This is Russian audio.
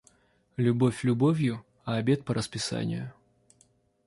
Любовь любовью, а обед по расписанию.